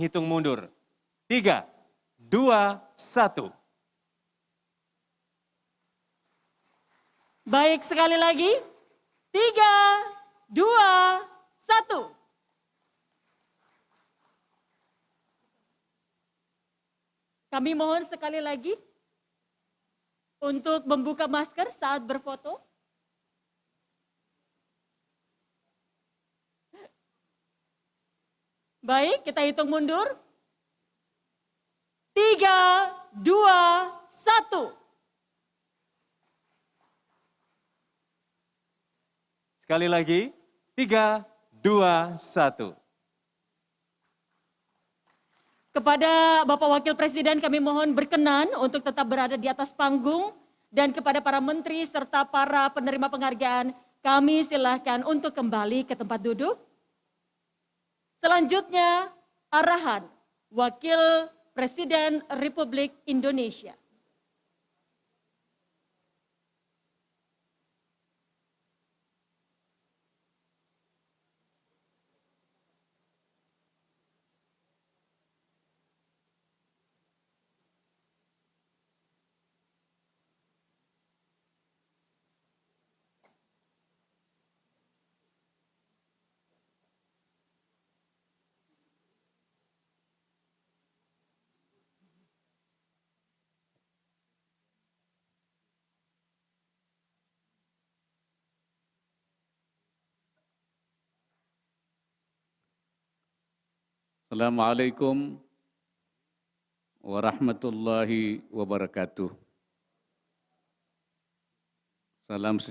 terbaik kedua kementerian energi dan sumber daya mineral